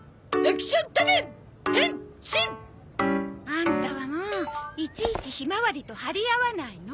アンタはもういちいちひまわりと張り合わないの。